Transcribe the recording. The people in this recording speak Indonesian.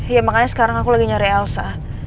ya makanya sekarang aku lagi nyari elsa